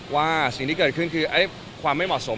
ว่าสิ่งที่เกิดขึ้นคือความไม่เหมาะสม